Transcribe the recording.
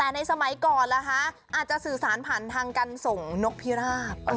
แต่ในสมัยก่อนล่ะคะอาจจะสื่อสารผ่านทางการส่งนกพิราบ